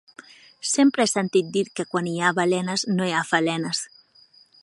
Sempre he sentit dir que quan hi ha balenes no hi ha falenes!